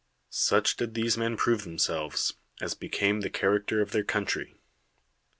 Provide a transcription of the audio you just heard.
Such did these men prove themselves, as be came the character of their country.